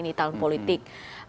di tal politik